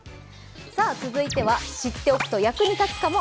続いては、知っておくと役に立つかも。